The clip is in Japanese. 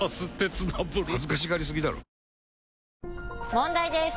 問題です！